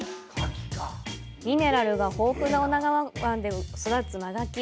ミネラルが豊富な女川湾で育つ真ガキ。